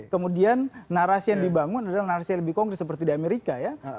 kemudian narasi yang dibangun adalah narasi yang lebih konkret seperti di amerika ya